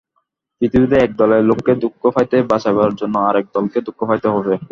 পৃথিবীতে এক দলের লোককে দুঃখ হইতে বাঁচাইবার জন্য আর-এক দলকে দুঃখ পাইতে হইবে।